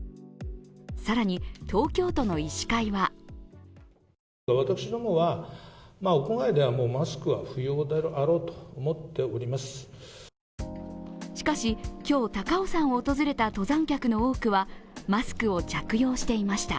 更に、東京都の医師会はしかし今日、高尾山を訪れた登山客の多くはマスクを着用していました。